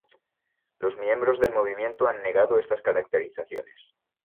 Los miembros del movimiento han negado estas caracterizaciones.